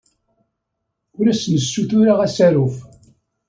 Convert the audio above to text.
Ur asen-ssutureɣ asaruf.